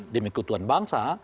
demi keutuhan bangsa